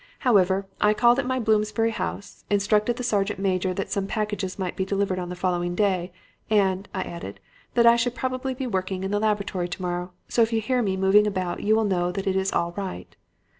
However, I called at my Bloomsbury house and instructed the sergeant major that some packages might be delivered on the following day. 'And,' I added, 'I shall probably be working in the laboratory tomorrow, so if you hear me moving about you will know that it is all right.'